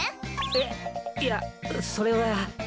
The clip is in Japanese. えっいやそれは。